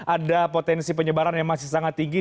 ada potensi penyebaran yang masih sangat tinggi